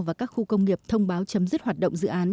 và các khu công nghiệp thông báo chấm dứt hoạt động dự án